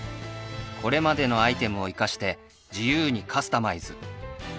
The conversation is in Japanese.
これまでのアイテムをいかして自由にカスタマイズ